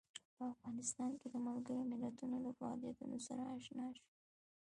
په افغانستان کې د ملګرو ملتونو له فعالیتونو سره آشنا شو.